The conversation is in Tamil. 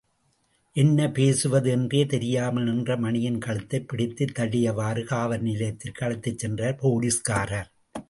என்ன பேசுவது என்றே தெரியாமல் நின்ற மணியின் கழுத்தைப் பிடித்துத் தள்ளியவாறு, காவல் நிலையத்திற்கு அழைத்துச் சென்றார் போலீஸ்காரர்.